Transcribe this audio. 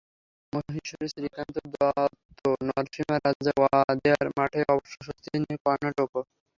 মহীশুরের শ্রীকান্ত দত্ত নরসিমা রাজা ওয়াদেয়ার মাঠে অবশ্য স্বস্তিতে নেই কর্ণাটকও।